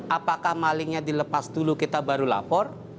apakah malingnya dilepas dulu kita baru lapor